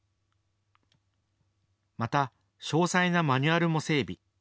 また、詳細なマニュアルも整備。